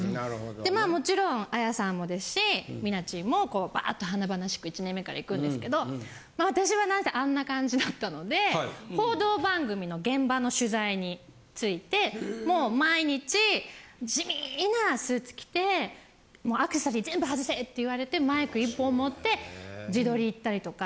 でまあもちろん彩さんもですし美奈ちんもバーッと華々しく１年目から行くんですけど私は何せあんな感じだったので報道番組の現場の取材についてもう毎日地味なスーツ着てアクセサリー全部外せ！って言われてマイク１本持って地取り行ったりとか。